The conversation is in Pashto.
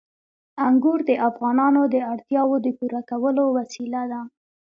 انګور د افغانانو د اړتیاوو د پوره کولو وسیله ده.